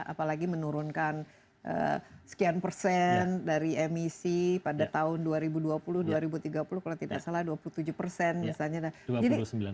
apalagi menurunkan sekian persen dari emisi pada tahun dua ribu dua puluh dua ribu tiga puluh kalau tidak salah dua puluh tujuh persen misalnya